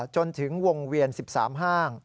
จนถึงวงเวียน๑๓ห้าง